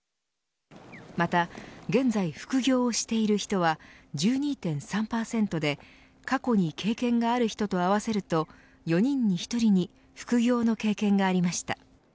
また現在副業をしている人は１２．３％で過去に経験がある人と合わせると４人に１人に副業の経験がありました。